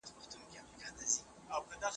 ایا د خوب په وخت کي د موبایل لیري اېښودل اړین دي؟